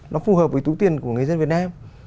nó phù hợp với túi tiền của người dân việt nam